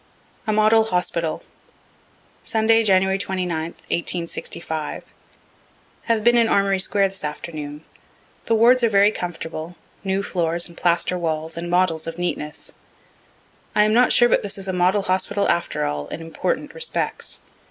A MODEL HOSPITAL Sunday, January 29th, 1865. Have been in Armory square this afternoon. The wards are very comfortable, new floors and plaster walls, and models of neatness. I am not sure but this is a model hospital after all, in important respects.